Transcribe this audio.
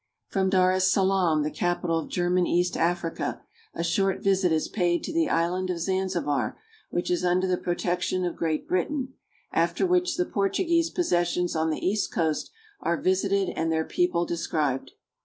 From Dar es Salaam, the capital of German East Africa, a short visit is paid to the Island of Zanzibar, which is under the protection of Great Britain, after which the Portuguese possessions on the east coast are visited and their people described.